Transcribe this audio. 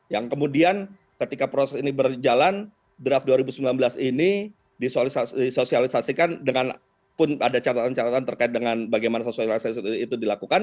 yang kemudian ketika proses ini berjalan draft dua ribu sembilan belas ini disosialisasikan dengan pun ada catatan catatan terkait dengan bagaimana sosialisasi itu dilakukan